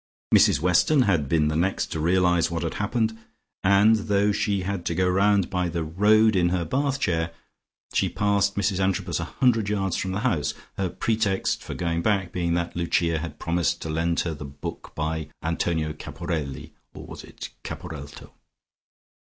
Mrs Weston had been the next to realize what had happened, and though she had to go round by the road in her bath chair, she passed Mrs Antrobus a hundred yards from the house, her pretext for going back being that Lucia had promised to lend her the book by Antonio Caporelli (or was it Caporelto?).